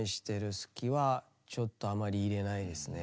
「好き」はちょっとあまり入れないですね。